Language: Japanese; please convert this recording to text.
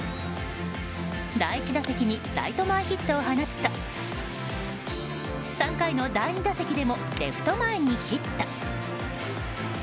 第１打席にライト前ヒットを放つと３回の第３打席でもレフト前にヒット。